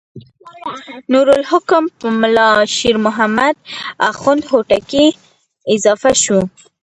نور الحکم پر ملا شیر محمد اخوند هوتکی اضافه شو.